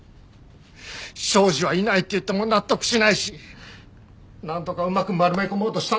庄司はいないって言っても納得しないしなんとかうまく丸め込もうとしたんだけど。